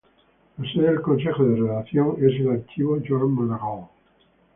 La sede del Consejo de Redacción es el Archivo Joan Maragall.